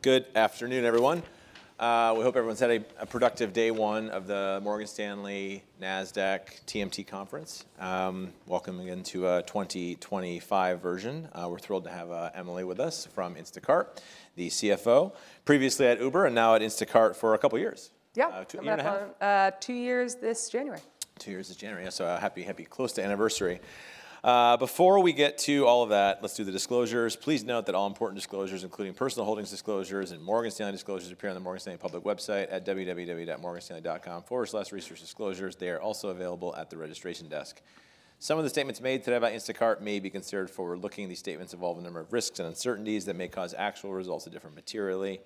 Good afternoon, everyone. We hope everyone's had a productive day one of the Morgan Stanley Nasdaq TMT Conference. Welcome again to a 2025 version. We're thrilled to have Emily with us from Instacart, the CFO, previously at Uber and now at Instacart for a couple of years. Yeah, two years this January. Two years this January. Yeah, so happy close to anniversary. Before we get to all of that, let's do the disclosures. Please note that all important disclosures, including personal holdings disclosures and Morgan Stanley disclosures, appear on the Morgan Stanley public website at www.morganstanley.com/resource-disclosures. They are also available at the registration desk. Some of the statements made today by Instacart may be considered forward-looking. These statements involve a number of risks and uncertainties that may cause actual results to differ materially.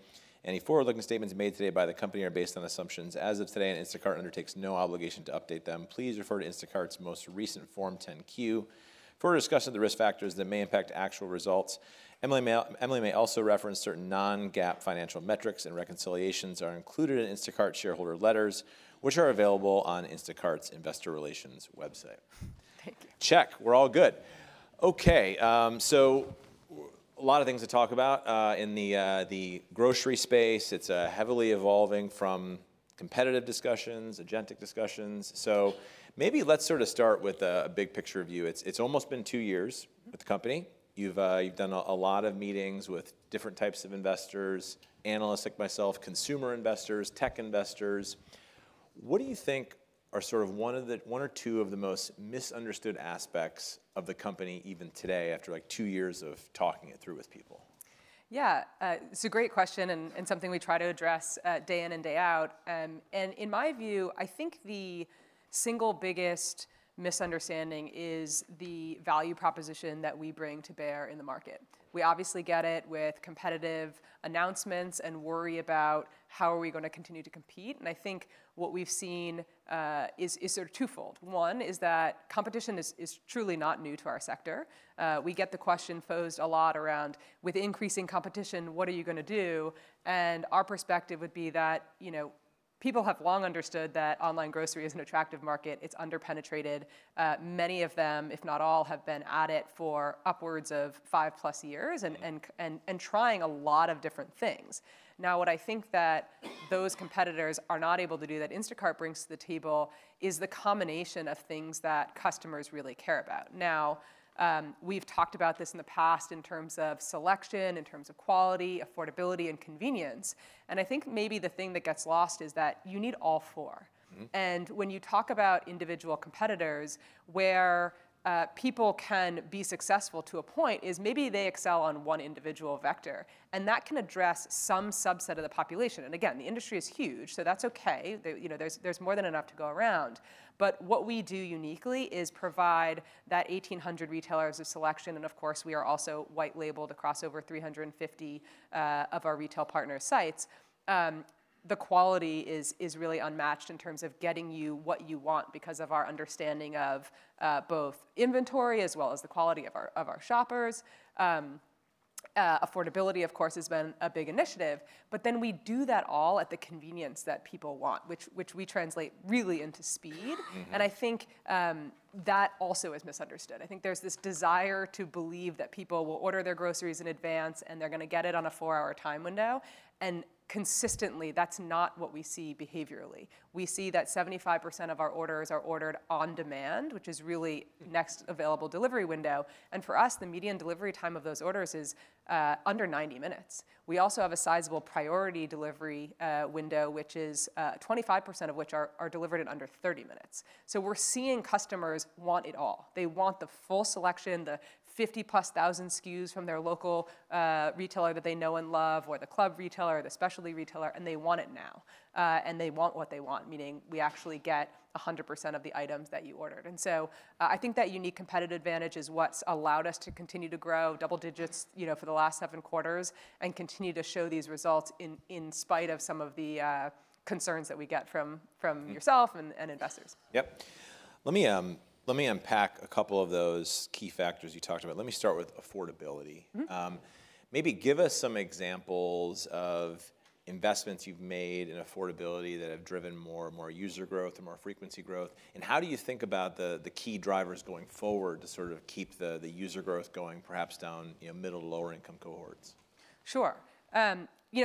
Any forward-looking statements made today by the company are based on assumptions. As of today, Instacart undertakes no obligation to update them. Please refer to Instacart's most recent Form 10-Q for a discussion of the risk factors that may impact actual results. Emily may also reference certain non-GAAP financial metrics, and reconciliations are included in Instacart shareholder letters, which are available on Instacart's investor relations website. Thank you. Check. We're all good. Okay, so a lot of things to talk about in the grocery space. It's heavily evolving from competitive discussions, agentic discussions. So maybe let's sort of start with a big picture view. It's almost been two years with the company. You've done a lot of meetings with different types of investors, analysts like myself, consumer investors, tech investors. What do you think are sort of one or two of the most misunderstood aspects of the company, even today, after like two years of talking it through with people? Yeah, it's a great question and something we try to address day in and day out. And in my view, I think the single biggest misunderstanding is the value proposition that we bring to bear in the market. We obviously get it with competitive announcements and worry about how are we going to continue to compete. And I think what we've seen is sort of twofold. One is that competition is truly not new to our sector. We get the question posed a lot around, with increasing competition, what are you going to do? And our perspective would be that people have long understood that online grocery is an attractive market. It's underpenetrated. Many of them, if not all, have been at it for upwards of 5+ years and trying a lot of different things. Now, what I think that those competitors are not able to do that Instacart brings to the table is the combination of things that customers really care about. Now, we've talked about this in the past in terms of selection, in terms of quality, affordability, and convenience, and I think maybe the thing that gets lost is that you need all four, and when you talk about individual competitors, where people can be successful to a point is maybe they excel on one individual vector, and that can address some subset of the population, and again, the industry is huge, so that's okay. There's more than enough to go around, but what we do uniquely is provide that 1,800 retailers of selection, and of course, we are also white-label across over 350 of our retail partner sites. The quality is really unmatched in terms of getting you what you want because of our understanding of both inventory as well as the quality of our shoppers. Affordability, of course, has been a big initiative, but then we do that all at the convenience that people want, which we translate really into speed, and I think that also is misunderstood. I think there's this desire to believe that people will order their groceries in advance and they're going to get it on a four-hour time window, and consistently, that's not what we see behaviorally. We see that 75% of our orders are ordered on demand, which is really next available delivery window, and for us, the median delivery time of those orders is under 90 minutes. We also have a sizable priority delivery window, which is 25%, of which are delivered in under 30 minutes. So we're seeing customers want it all. They want the full selection, the 50,000+ SKUs from their local retailer that they know and love, or the club retailer, the specialty retailer, and they want it now. And they want what they want, meaning we actually get 100% of the items that you ordered. And so I think that unique competitive advantage is what's allowed us to continue to grow double digits for the last seven quarters and continue to show these results in spite of some of the concerns that we get from yourself and investors. Yep. Let me unpack a couple of those key factors you talked about. Let me start with affordability. Maybe give us some examples of investments you've made in affordability that have driven more user growth or more frequency growth. And how do you think about the key drivers going forward to sort of keep the user growth going, perhaps down middle to lower-income cohorts? Sure.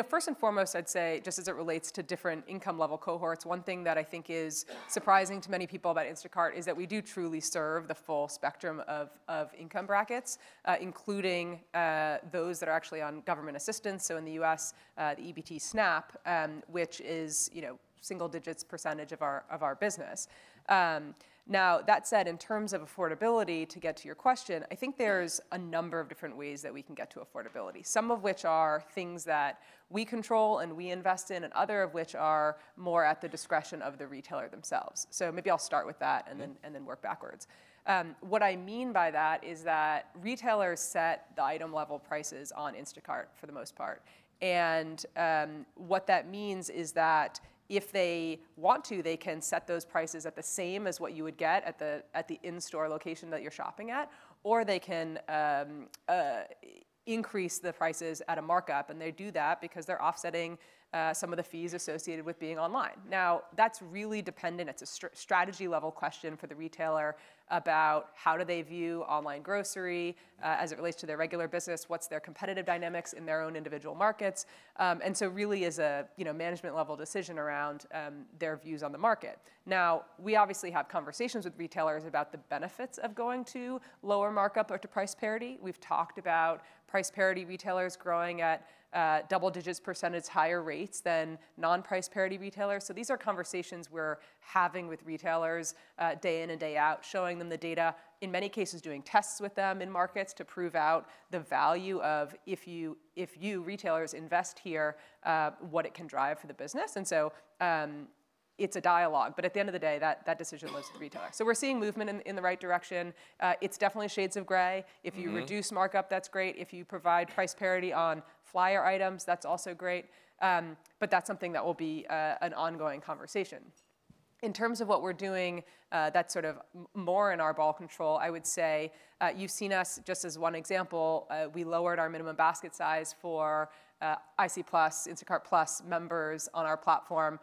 First and foremost, I'd say, just as it relates to different income level cohorts, one thing that I think is surprising to many people about Instacart is that we do truly serve the full spectrum of income brackets, including those that are actually on government assistance. So in the U.S., the EBT SNAP, which is single digit percent of our business. Now, that said, in terms of affordability, to get to your question, I think there's a number of different ways that we can get to affordability, some of which are things that we control and we invest in, and other of which are more at the discretion of the retailer themselves. So maybe I'll start with that and then work backwards. What I mean by that is that retailers set the item level prices on Instacart for the most part. What that means is that if they want to, they can set those prices at the same as what you would get at the in-store location that you're shopping at, or they can increase the prices at a markup. They do that because they're offsetting some of the fees associated with being online. Now, that's really dependent. It's a strategy level question for the retailer about how do they view online grocery as it relates to their regular business, what's their competitive dynamics in their own individual markets. So really is a management level decision around their views on the market. Now, we obviously have conversations with retailers about the benefits of going to lower markup or to price parity. We've talked about price parity retailers growing at double digits percentage higher rates than non-price parity retailers. So these are conversations we're having with retailers day in and day out, showing them the data, in many cases doing tests with them in markets to prove out the value of if you retailers invest here, what it can drive for the business. And so it's a dialogue. But at the end of the day, that decision lives with the retailer. So we're seeing movement in the right direction. It's definitely shades of gray. If you reduce markup, that's great. If you provide price parity on flyer items, that's also great. But that's something that will be an ongoing conversation. In terms of what we're doing that's sort of more in our ball control, I would say you've seen us, just as one example, we lowered our minimum basket size for IC Plus, Instacart Plus members on our platform,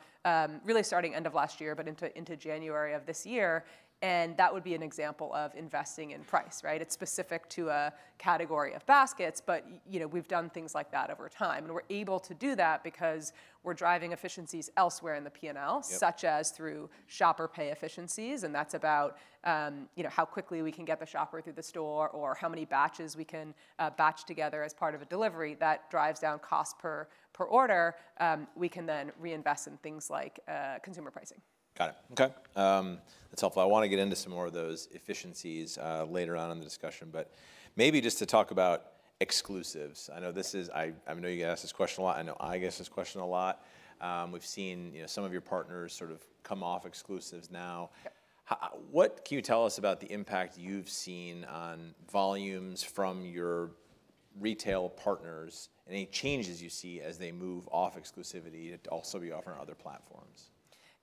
really starting end of last year, but into January of this year. And that would be an example of investing in price. It's specific to a category of baskets, but we've done things like that over time. And we're able to do that because we're driving efficiencies elsewhere in the P&L, such as through shopper pay efficiencies. And that's about how quickly we can get the shopper through the store or how many batches we can batch together as part of a delivery that drives down cost per order. We can then reinvest in things like consumer pricing. Got it. Okay. That's helpful. I want to get into some more of those efficiencies later on in the discussion, but maybe just to talk about exclusives. I know you ask this question a lot. I know I get this question a lot. We've seen some of your partners sort of come off exclusives now. What can you tell us about the impact you've seen on volumes from your retail partners and any changes you see as they move off exclusivity to also be offered on other platforms?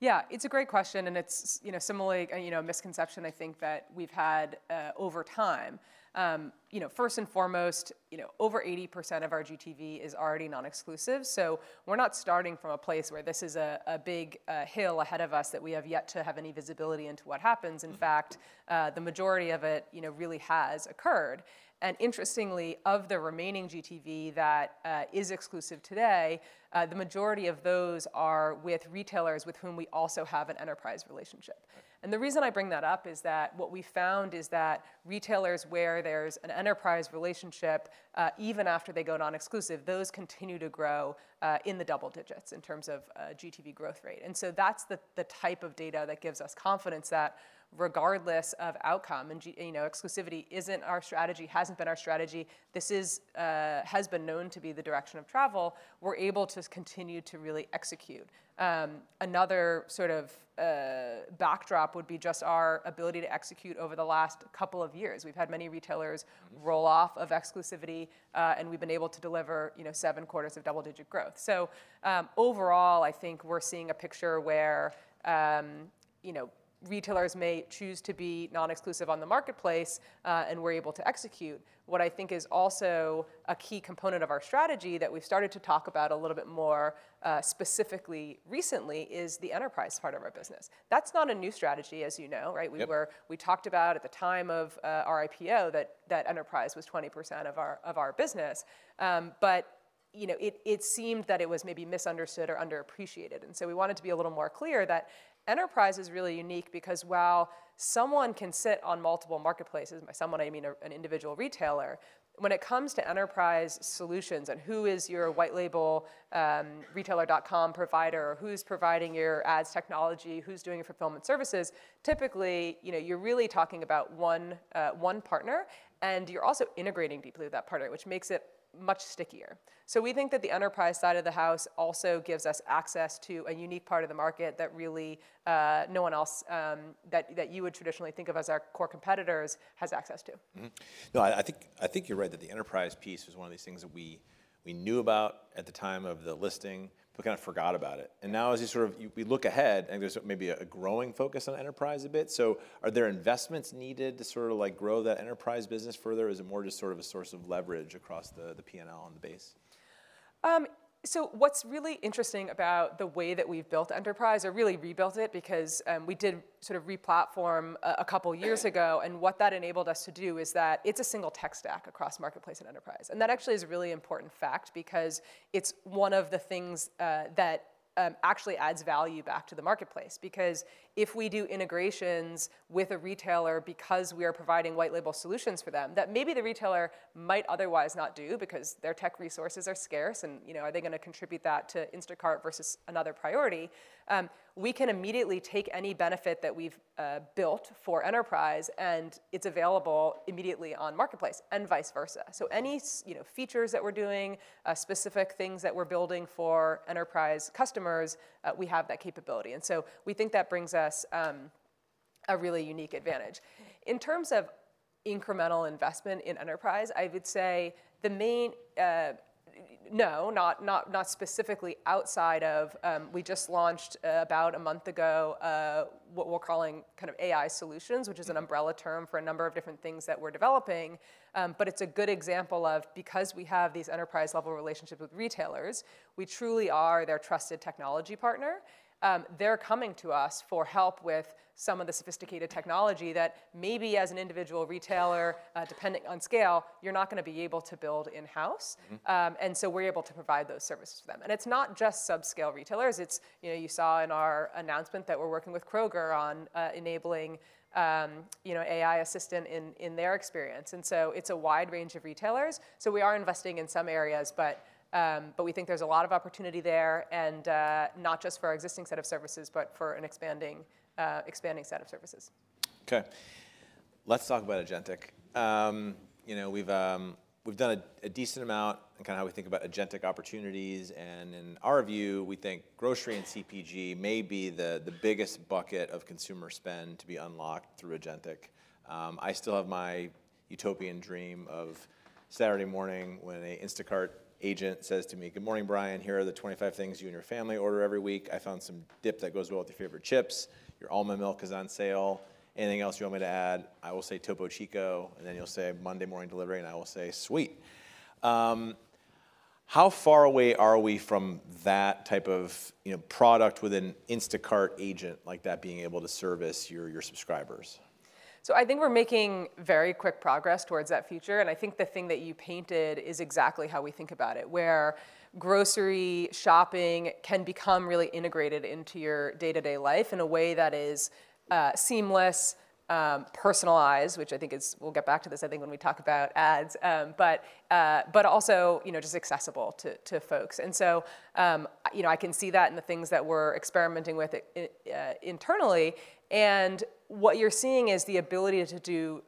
Yeah, it's a great question. And it's similarly a misconception, I think, that we've had over time. First and foremost, over 80% of our GTV is already non-exclusive. So we're not starting from a place where this is a big hill ahead of us that we have yet to have any visibility into what happens. In fact, the majority of it really has occurred. And interestingly, of the remaining GTV that is exclusive today, the majority of those are with retailers with whom we also have an enterprise relationship. And the reason I bring that up is that what we found is that retailers where there's an enterprise relationship, even after they go non-exclusive, those continue to grow in the double digits in terms of GTV growth rate. And so that's the type of data that gives us confidence that regardless of outcome, and exclusivity isn't our strategy, hasn't been our strategy. This has been known to be the direction of travel. We're able to continue to really execute. Another sort of backdrop would be just our ability to execute over the last couple of years. We've had many retailers roll off of exclusivity, and we've been able to deliver seven quarters of double-digit growth. So overall, I think we're seeing a picture where retailers may choose to be non-exclusive on the marketplace, and we're able to execute. What I think is also a key component of our strategy that we've started to talk about a little bit more specifically recently is the enterprise part of our business. That's not a new strategy, as you know. We talked about at the time of our IPO that enterprise was 20% of our business. But it seemed that it was maybe misunderstood or underappreciated, and so we wanted to be a little more clear that enterprise is really unique because while someone can sit on multiple marketplaces, by someone I mean an individual retailer, when it comes to enterprise solutions and who is your white-label retailer.com provider, who's providing your ads technology, who's doing your fulfillment services, typically you're really talking about one partner, and you're also integrating deeply with that partner, which makes it much stickier, so we think that the enterprise side of the house also gives us access to a unique part of the market that really no one else that you would traditionally think of as our core competitors has access to. No, I think you're right that the enterprise piece was one of these things that we knew about at the time of the listing, but kind of forgot about it. And now as you sort of we look ahead, I think there's maybe a growing focus on enterprise a bit. So are there investments needed to sort of grow that enterprise business further? Is it more just sort of a source of leverage across the P&L on the base? So what's really interesting about the way that we've built enterprise or really rebuilt it because we did sort of replatform a couple of years ago. And what that enabled us to do is that it's a single tech stack across marketplace and enterprise. And that actually is a really important fact because it's one of the things that actually adds value back to the marketplace. Because if we do integrations with a retailer because we are providing white-label solutions for them that maybe the retailer might otherwise not do because their tech resources are scarce, and are they going to contribute that to Instacart versus another priority, we can immediately take any benefit that we've built for enterprise, and it's available immediately on marketplace and vice versa. So any features that we're doing, specific things that we're building for enterprise customers, we have that capability. And so we think that brings us a really unique advantage. In terms of incremental investment in enterprise, I would say not specifically outside of, we just launched about a month ago what we're calling kind of AI solutions, which is an umbrella term for a number of different things that we're developing. But it's a good example of, because we have these enterprise-level relationships with retailers, we truly are their trusted technology partner. They're coming to us for help with some of the sophisticated technology that maybe as an individual retailer, depending on scale, you're not going to be able to build in-house. And so we're able to provide those services to them. And it's not just subscale retailers. You saw in our announcement that we're working with Kroger on enabling AI assistant in their experience. And so it's a wide range of retailers. So we are investing in some areas, but we think there's a lot of opportunity there, and not just for our existing set of services, but for an expanding set of services. Okay. Let's talk about agentic. We've done a decent amount and kind of how we think about agentic opportunities. And in our view, we think grocery and CPG may be the biggest bucket of consumer spend to be unlocked through agentic. I still have my utopian dream of Saturday morning when an Instacart agent says to me, "Good morning, Brian. Here are the 25 things you and your family order every week. I found some dip that goes well with your favorite chips. Your almond milk is on sale. Anything else you want me to add?" I will say, "Topo Chico." And then you'll say, "Monday morning delivery." And I will say, "Sweet." How far away are we from that type of product with an Instacart agent like that being able to service your subscribers? So I think we're making very quick progress towards that future. And I think the thing that you painted is exactly how we think about it, where grocery shopping can become really integrated into your day-to-day life in a way that is seamless, personalized, which I think is we'll get back to this, I think, when we talk about ads, but also just accessible to folks. And so I can see that in the things that we're experimenting with internally. And what you're seeing is the ability to do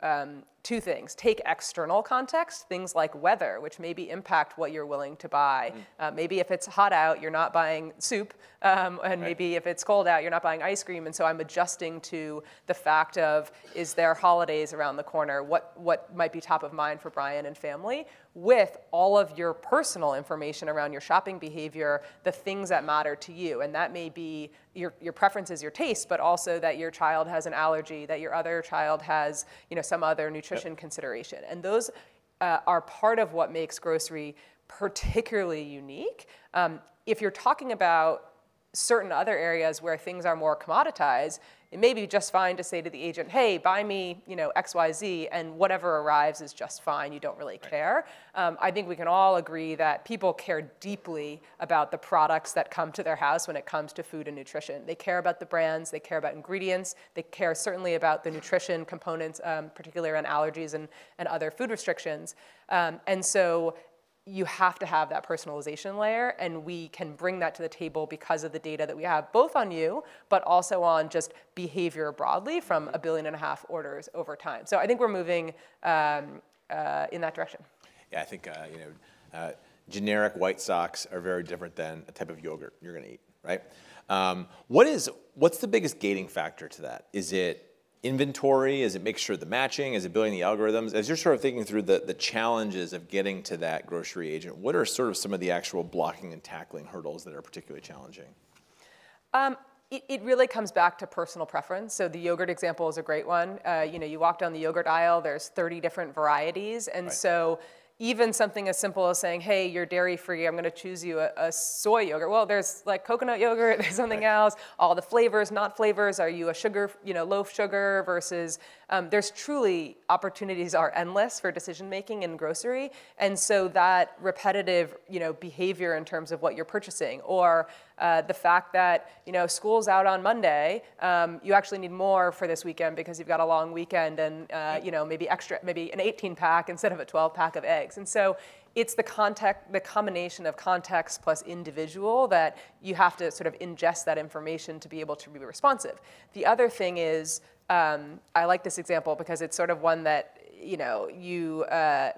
two things: take external context, things like weather, which maybe impact what you're willing to buy. Maybe if it's hot out, you're not buying soup. And maybe if it's cold out, you're not buying ice cream. And so I'm adjusting to the fact of, is there holidays around the corner? What might be top of mind for Brian and family with all of your personal information around your shopping behavior, the things that matter to you? And that may be your preferences, your taste, but also that your child has an allergy, that your other child has some other nutrition consideration. And those are part of what makes grocery particularly unique. If you're talking about certain other areas where things are more commoditized, it may be just fine to say to the agent, "Hey, buy me XYZ," and whatever arrives is just fine. You don't really care. I think we can all agree that people care deeply about the products that come to their house when it comes to food and nutrition. They care about the brands. They care about ingredients. They care certainly about the nutrition components, particularly around allergies and other food restrictions. And so you have to have that personalization layer. And we can bring that to the table because of the data that we have, both on you, but also on just behavior broadly from 1.5 billion orders over time. So I think we're moving in that direction. Yeah, I think generic white socks are very different than a type of yogurt you're going to eat. What's the biggest gating factor to that? Is it inventory? Is it making sure the matching? Is it building the algorithms? As you're sort of thinking through the challenges of getting to that grocery agent, what are sort of some of the actual blocking and tackling hurdles that are particularly challenging? It really comes back to personal preference, so the yogurt example is a great one. You walk down the yogurt aisle, there's 30 different varieties, and so even something as simple as saying, "Hey, you're dairy-free. I'm going to choose you a soy yogurt," well, there's coconut yogurt. There's something else. All the flavors, not flavors. Are you a low sugar versus? There's truly opportunities are endless for decision-making in grocery, and so that repetitive behavior in terms of what you're purchasing or the fact that school's out on Monday, you actually need more for this weekend because you've got a long weekend and maybe an 18-pack instead of a 12-pack of eggs. And so it's the combination of context plus individual that you have to sort of ingest that information to be able to be responsive. The other thing is I like this example because it's sort of one that you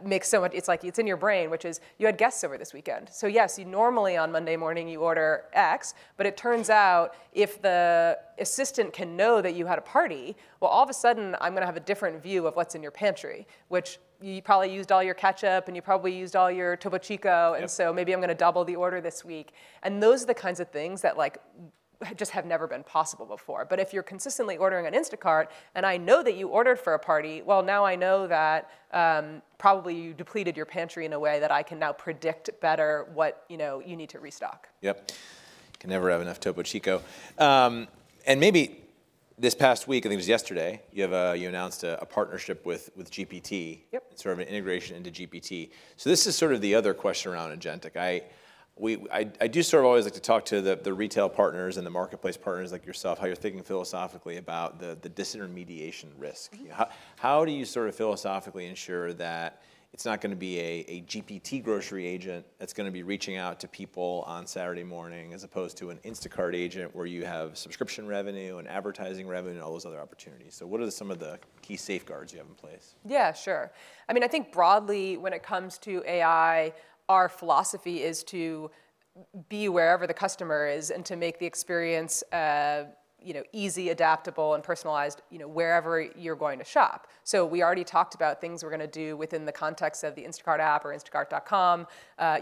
miss so much. It's like it's in your brain, which is you had guests over this weekend. So yes, you normally on Monday morning, you order X, but it turns out if the assistant can know that you had a party, well, all of a sudden, I'm going to have a different view of what's in your pantry, which you probably used all your ketchup, and you probably used all your Topo Chico. And so maybe I'm going to double the order this week. And those are the kinds of things that just have never been possible before. But if you're consistently ordering on Instacart, and I know that you ordered for a party, well, now I know that probably you depleted your pantry in a way that I can now predict better what you need to restock. Yep. You can never have enough Topo Chico. And maybe this past week, I think it was yesterday, you announced a partnership with GPT, sort of an integration into GPT. So this is sort of the other question around agentic. I do sort of always like to talk to the retail partners and the marketplace partners like yourself, how you're thinking philosophically about the disintermediation risk. How do you sort of philosophically ensure that it's not going to be a GPT grocery agent that's going to be reaching out to people on Saturday morning as opposed to an Instacart agent where you have subscription revenue and advertising revenue and all those other opportunities? So what are some of the key safeguards you have in place? Yeah, sure. I mean, I think broadly, when it comes to AI, our philosophy is to be wherever the customer is and to make the experience easy, adaptable, and personalized wherever you're going to shop. So we already talked about things we're going to do within the context of the Instacart app or Instacart.com.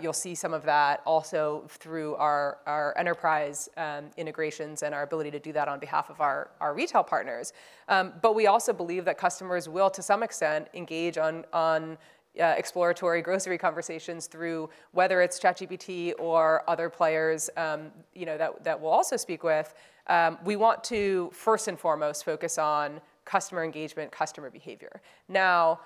You'll see some of that also through our enterprise integrations and our ability to do that on behalf of our retail partners. But we also believe that customers will, to some extent, engage on exploratory grocery conversations through whether it's ChatGPT or other players that we'll also speak with. We want to, first and foremost, focus on customer engagement, customer behavior. Now,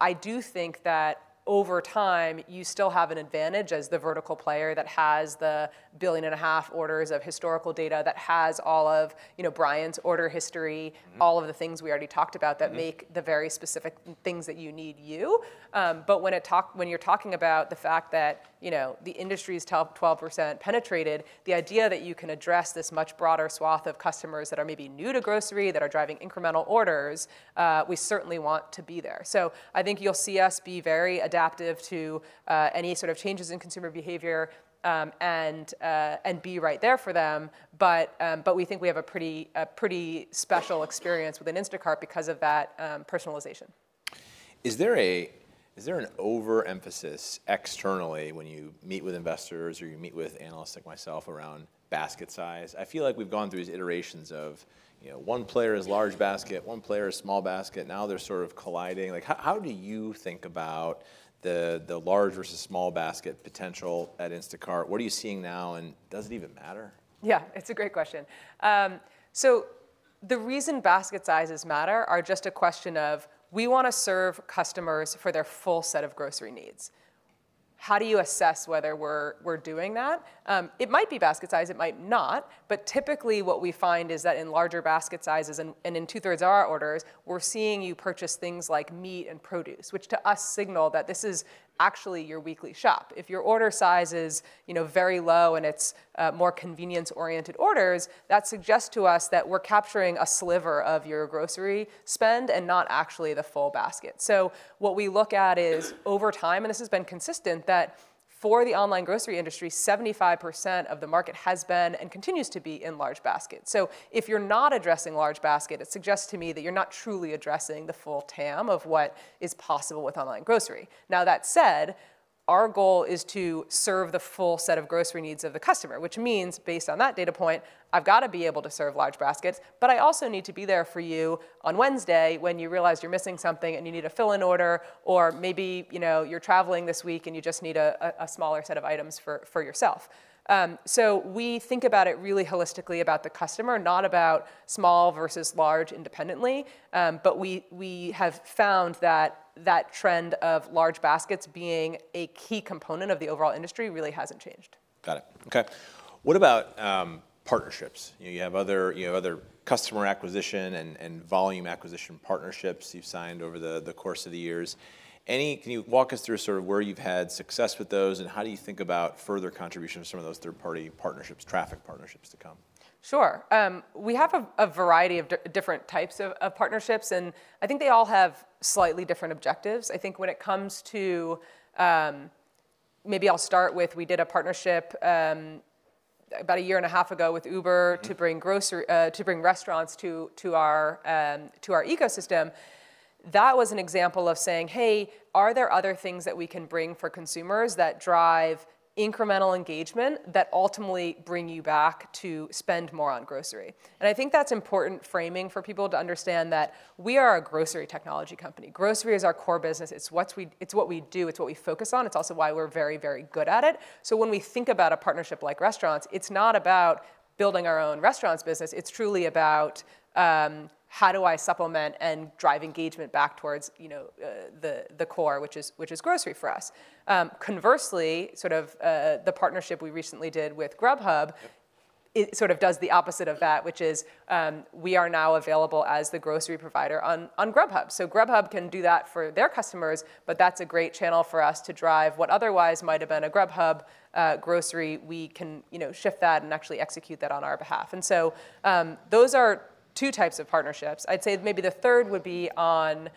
I do think that over time, you still have an advantage as the vertical player that has 1.5 billion orders of historical data that has all of Brian's order history, all of the things we already talked about that make the very specific things that you need you. But when you're talking about the fact that the industry is 12% penetrated, the idea that you can address this much broader swath of customers that are maybe new to grocery that are driving incremental orders, we certainly want to be there. So I think you'll see us be very adaptive to any sort of changes in consumer behavior and be right there for them. But we think we have a pretty special experience within Instacart because of that personalization. Is there an overemphasis externally when you meet with investors or you meet with analysts like myself around basket size? I feel like we've gone through these iterations of one player is large basket, one player is small basket. Now they're sort of colliding. How do you think about the large versus small basket potential at Instacart? What are you seeing now, and does it even matter? Yeah, it's a great question. So the reason basket sizes matter are just a question of we want to serve customers for their full set of grocery needs. How do you assess whether we're doing that? It might be basket size. It might not. But typically, what we find is that in larger basket sizes and in two-thirds of our orders, we're seeing you purchase things like meat and produce, which to us signal that this is actually your weekly shop. If your order size is very low and it's more convenience-oriented orders, that suggests to us that we're capturing a sliver of your grocery spend and not actually the full basket. So what we look at is over time, and this has been consistent, that for the online grocery industry, 75% of the market has been and continues to be in large basket. So if you're not addressing large basket, it suggests to me that you're not truly addressing the full TAM of what is possible with online grocery. Now, that said, our goal is to serve the full set of grocery needs of the customer, which means based on that data point, I've got to be able to serve large baskets. But I also need to be there for you on Wednesday when you realize you're missing something and you need a fill-in order, or maybe you're traveling this week and you just need a smaller set of items for yourself. So we think about it really holistically about the customer, not about small versus large independently. But we have found that that trend of large baskets being a key component of the overall industry really hasn't changed. Got it. Okay. What about partnerships? You have other customer acquisition and volume acquisition partnerships you've signed over the course of the years. Can you walk us through sort of where you've had success with those, and how do you think about further contribution of some of those third-party partnerships, traffic partnerships to come? Sure. We have a variety of different types of partnerships. And I think they all have slightly different objectives. I think when it comes to, maybe I'll start with, we did a partnership about a year and a half ago with Uber to bring restaurants to our ecosystem. That was an example of saying, "Hey, are there other things that we can bring for consumers that drive incremental engagement that ultimately bring you back to spend more on grocery?" And I think that's important framing for people to understand that we are a grocery technology company. Grocery is our core business. It's what we do. It's what we focus on. It's also why we're very, very good at it. So when we think about a partnership like restaurants, it's not about building our own restaurants business. It's truly about how do I supplement and drive engagement back towards the core, which is grocery for us. Conversely, sort of the partnership we recently did with Grubhub sort of does the opposite of that, which is we are now available as the grocery provider on Grubhub. So Grubhub can do that for their customers, but that's a great channel for us to drive what otherwise might have been a Grubhub grocery. We can shift that and actually execute that on our behalf. And so those are two types of partnerships. I'd say maybe the third would be one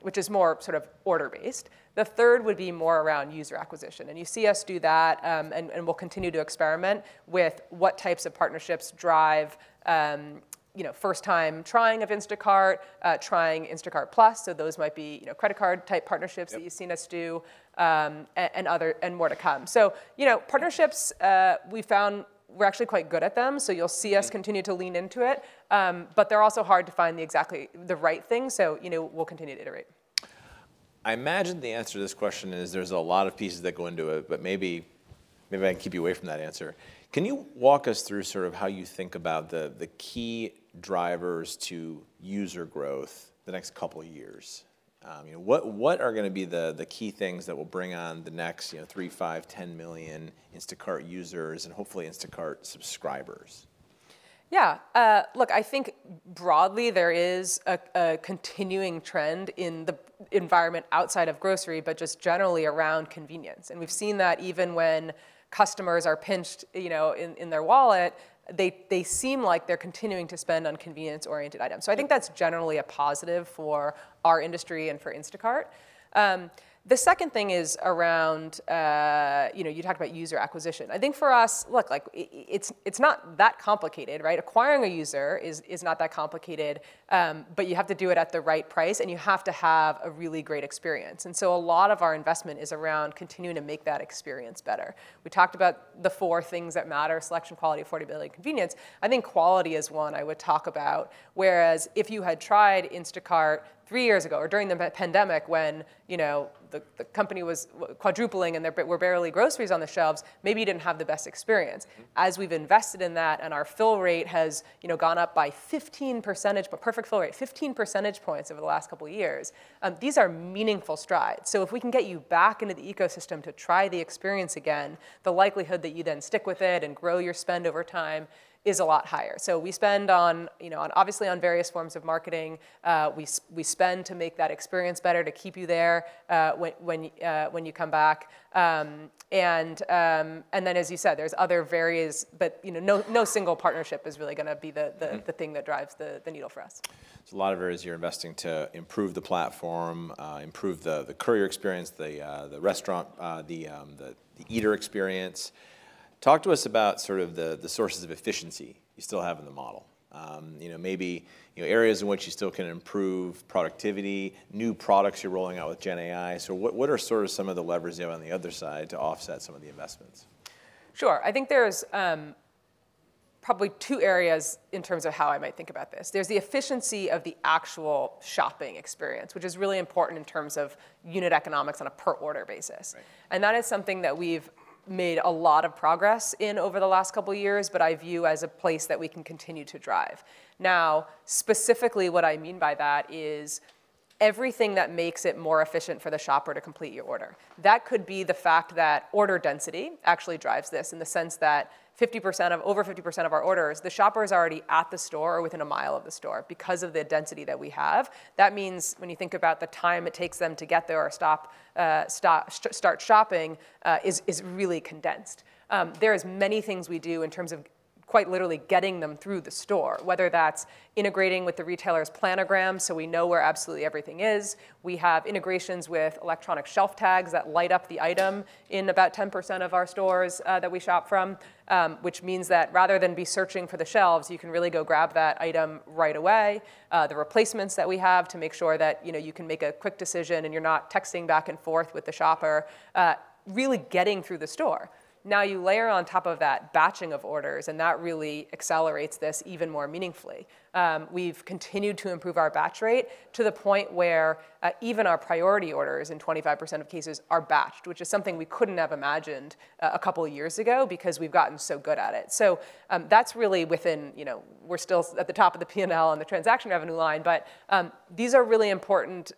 which is more sort of order-based. The third would be more around user acquisition. And you see us do that, and we'll continue to experiment with what types of partnerships drive first-time trying of Instacart, trying Instacart Plus. So those might be credit card-type partnerships that you've seen us do and more to come. So partnerships, we found we're actually quite good at them. So you'll see us continue to lean into it. But they're also hard to find exactly the right thing. So we'll continue to iterate. I imagine the answer to this question is there's a lot of pieces that go into it, but maybe I can keep you away from that answer. Can you walk us through sort of how you think about the key drivers to user growth the next couple of years? What are going to be the key things that will bring on the next three, five, 10 million Instacart users and hopefully Instacart subscribers? Yeah. Look, I think broadly, there is a continuing trend in the environment outside of grocery, but just generally around convenience, and we've seen that even when customers are pinched in their wallet, they seem like they're continuing to spend on convenience-oriented items, so I think that's generally a positive for our industry and for Instacart. The second thing is around you talked about user acquisition. I think for us, look, it's not that complicated. Acquiring a user is not that complicated, but you have to do it at the right price, and you have to have a really great experience, and so a lot of our investment is around continuing to make that experience better. We talked about the four things that matter: selection, quality, affordability, and convenience. I think quality is one I would talk about, whereas if you had tried Instacart three years ago or during the pandemic when the company was quadrupling and there were barely groceries on the shelves, maybe you didn't have the best experience. As we've invested in that and our fill rate has gone up by 15 percentage points over the last couple of years, these are meaningful strides. So if we can get you back into the ecosystem to try the experience again, the likelihood that you then stick with it and grow your spend over time is a lot higher. So we spend, obviously, on various forms of marketing. We spend to make that experience better to keep you there when you come back. And then, as you said, there's other various, but no single partnership is really going to be the thing that drives the needle for us. There's a lot of areas you're investing to improve the platform, improve the courier experience, the restaurant, the eater experience. Talk to us about sort of the sources of efficiency you still have in the model. Maybe areas in which you still can improve productivity, new products you're rolling out with Gen AI. So what are sort of some of the levers you have on the other side to offset some of the investments? Sure. I think there's probably two areas in terms of how I might think about this. There's the efficiency of the actual shopping experience, which is really important in terms of unit economics on a per-order basis, and that is something that we've made a lot of progress in over the last couple of years, but I view as a place that we can continue to drive. Now, specifically, what I mean by that is everything that makes it more efficient for the shopper to complete your order. That could be the fact that order density actually drives this in the sense that over 50% of our orders, the shopper is already at the store or within a mile of the store because of the density that we have. That means when you think about the time it takes them to get there or start shopping, is really condensed. There are many things we do in terms of quite literally getting them through the store, whether that's integrating with the retailer's planogram so we know where absolutely everything is. We have integrations with Electronic Shelf Tags that light up the item in about 10% of our stores that we shop from, which means that rather than be searching for the shelves, you can really go grab that item right away. The replacements that we have to make sure that you can make a quick decision and you're not texting back and forth with the shopper, really getting through the store. Now you layer on top of that batching of orders, and that really accelerates this even more meaningfully. We've continued to improve our batch rate to the point where even our priority orders in 25% of cases are batched, which is something we couldn't have imagined a couple of years ago because we've gotten so good at it. So that's really where we're still at the top of the P&L on the transaction revenue line, but these are really important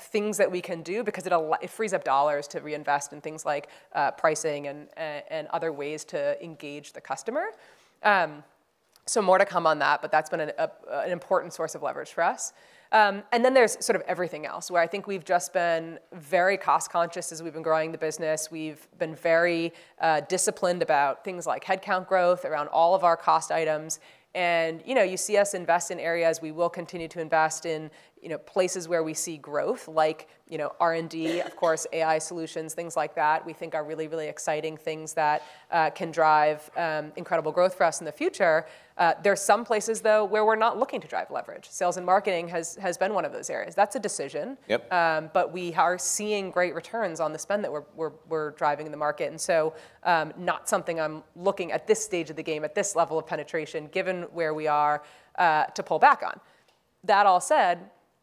things that we can do because it frees up dollars to reinvest in things like pricing and other ways to engage the customer. So more to come on that, but that's been an important source of leverage for us. And then there's sort of everything else where I think we've just been very cost-conscious as we've been growing the business. We've been very disciplined about things like headcount growth around all of our cost items. And you see us invest in areas we will continue to invest in places where we see growth, like R&D, of course, AI solutions, things like that we think are really, really exciting things that can drive incredible growth for us in the future. There are some places, though, where we're not looking to drive leverage. Sales and marketing has been one of those areas. That's a decision. But we are seeing great returns on the spend that we're driving in the market. And so not something I'm looking at this stage of the game at this level of penetration, given where we are, to pull back on. That all said,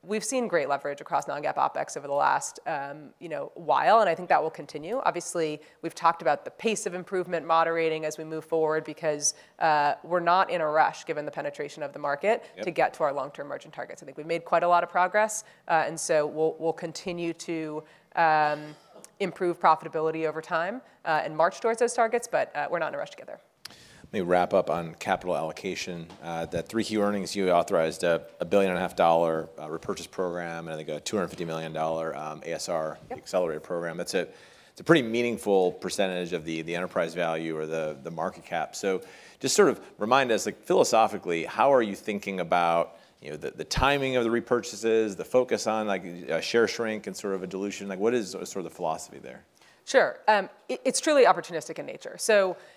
we've seen great leverage across non-GAAP OPEX over the last while, and I think that will continue. Obviously, we've talked about the pace of improvement moderating as we move forward because we're not in a rush given the penetration of the market to get to our long-term margin targets. I think we've made quite a lot of progress, and so we'll continue to improve profitability over time and march towards those targets, but we're not in a rush together. Let me wrap up on capital allocation. That Q3 earnings, you authorized a $1.5 billion repurchase program and I think a $250 million ASR accelerator program. That's a pretty meaningful percentage of the enterprise value or the market cap. So just sort of remind us, philosophically, how are you thinking about the timing of the repurchases, the focus on share shrink and sort of a dilution? What is sort of the philosophy there? Sure. It's truly opportunistic in nature.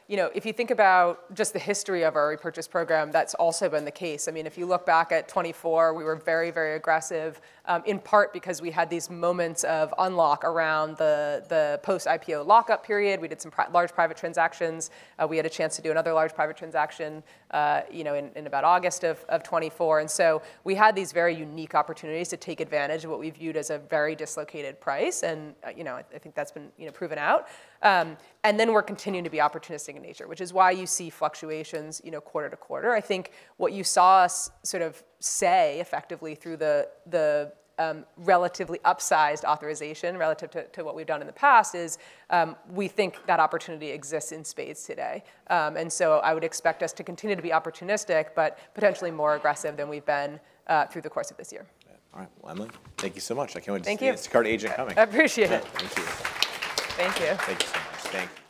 So if you think about just the history of our repurchase program, that's also been the case. I mean, if you look back at 2024, we were very, very aggressive in part because we had these moments of unlock around the post-IPO lockup period. We did some large private transactions. We had a chance to do another large private transaction in about August of 2024. And so we had these very unique opportunities to take advantage of what we viewed as a very dislocated price. And I think that's been proven out. And then we're continuing to be opportunistic in nature, which is why you see fluctuations quarter to quarter. I think what you saw us sort of say effectively through the relatively upsized authorization relative to what we've done in the past is we think that opportunity exists in spades today. And so I would expect us to continue to be opportunistic, but potentially more aggressive than we've been through the course of this year. All right, well, Emily, thank you so much. I can't wait to see Instacart agentic coming. Thank you. Thank you. Thank you. Thank you so much. Thanks.